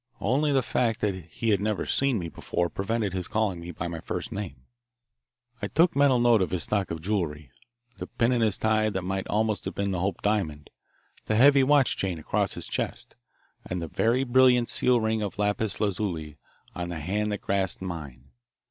Only the fact that he had never seen me before prevented his calling me by my first name. I took mental note of his stock of jewellery, the pin in his tie that might almost have been the Hope diamond, the heavy watch chain across his chest, and a very brilliant seal ring of lapis lazuli on the hand that grasped mine.